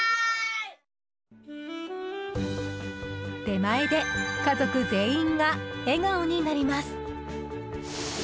出前で家族全員が笑顔になります。